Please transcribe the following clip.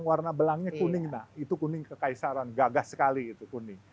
warna belangnya kuning nah itu kuning kekaisaran gagah sekali itu kuning